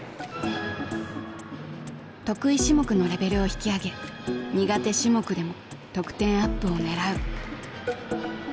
得意種目のレベルを引き上げ苦手種目でも得点アップを狙う。